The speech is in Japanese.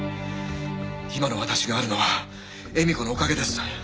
今の私があるのは絵美子のおかげです。